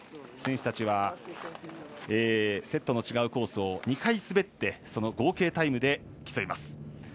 選手たちはセットの違うコースを２回滑ってその合計タイムで競います。